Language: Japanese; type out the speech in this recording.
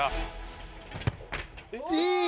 いい！